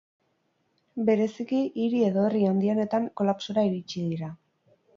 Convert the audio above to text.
Bereziki, hiri edo herri handienetan kolapsora iritsi dira.